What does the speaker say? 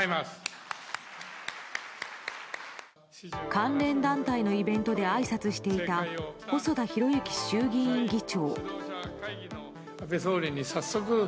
関連団体のイベントであいさつしていた細田博之衆議院議長。